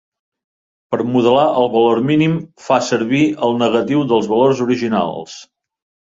Per modelar el valor mínim, fa servir el negatiu dels valors originals.